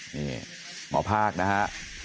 นี่หมอภาคนะฮะ